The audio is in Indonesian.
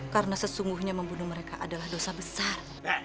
karena membunuh mereka adalah dosa besar